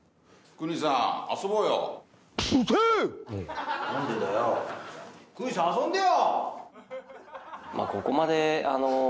クニさん遊んでよ！